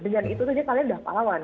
dengan itu saja kalian sudah pahlawan